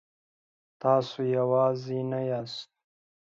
تاسو یوازې نه یاست.